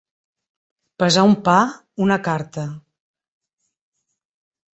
Pesar un pa, una carta.